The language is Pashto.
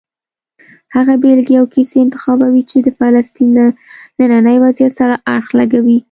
هغه بېلګې او کیسې انتخابوي چې د فلسطین له ننني وضعیت سره اړخ لګوي.